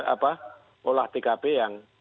apa olah pkp yang